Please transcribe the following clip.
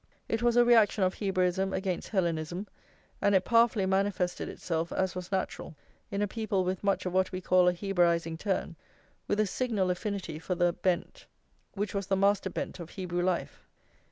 It was a reaction of Hebraism against Hellenism; and it powerfully manifested itself, as was natural, in a people with much of what we call a Hebraising turn, with a signal affinity for the bent which was the master bent of Hebrew life.